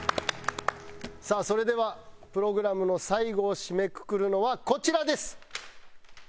さあそれではプログラムの最後を締めくくるのはこちらです。